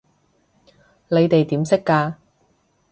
你哋點識㗎？